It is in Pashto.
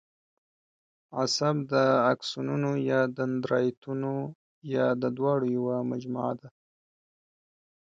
عصب د آکسونونو یا دندرایتونو یا د دواړو یوه مجموعه ده.